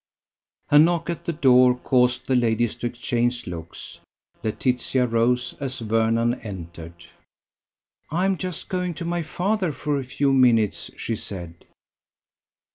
A knock at the door caused the ladies to exchange looks. Laetitia rose as Vernon entered. "I am just going to my father for a few minutes," she said.